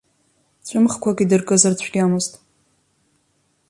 Ҵәымӷқәак идыркызар цәгьамызт.